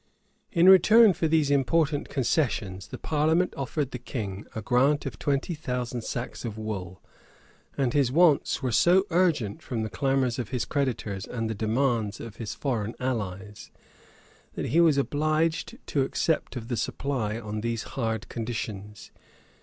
* 15 Edward III. In return for these important concessions, the parliament offered the king a grant of twenty thousand sacks of wool; and his wants were so urgent from the clamors of his creditors and the demands of his foreign allies, that he was obliged to accept of the supply on these hard conditions.